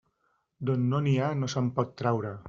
D'on no n'hi ha, no se'n pot traure.